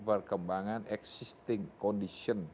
perkembangan existing condition